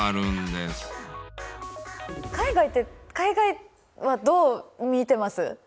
海外って海外はどう見てます？